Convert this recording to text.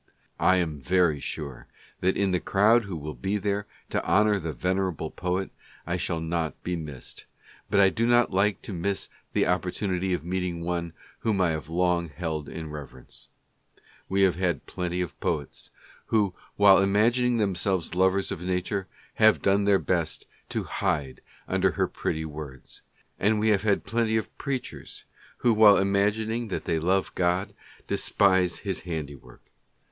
I am very sure that in the crowd will be there to honor the venerable poet, I shall not be missed, but I do not like to miss the opportunity of meeting one whom I have long held in reverence. We have had plenty of poets, who while imagining themselves lovers of nature, have done their best to hide her under pretty words; and we have had pie preachers vhile imagining that they love God. despise his handiwork.